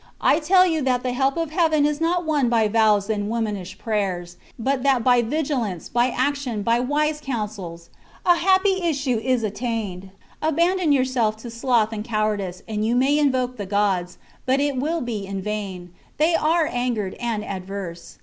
^I tell you that the help of heaven is not won. by vows and womanish prayers ; but that by vigilance, by action, by wise counsels, a happy issue is attained. Abandon yourself to sloth and cowardice, and you may invoke the gods, but it will be in vain ;'they are angered and adverse.